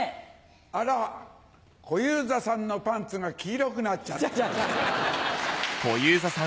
あら小遊三さんのパンツが黄色くなっちゃった。